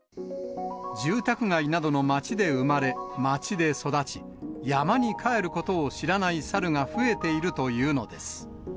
住宅街などの街で生まれ、街で育ち、山に帰ることを知らない猿が増えているというのです。